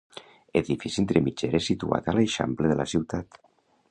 Edifici entre mitgeres situat a l'eixample de la ciutat.